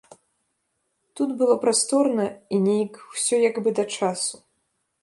Тут было прасторна і нейк усё як бы да часу.